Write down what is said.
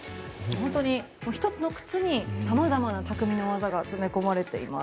本当に１つの靴にさまざまな匠の技が詰め込まれています。